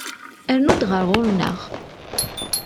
Rnu-d ɣer ɣur-neɣ!